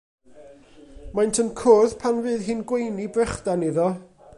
Maent yn cwrdd pan fydd hi'n gweini brechdan iddo.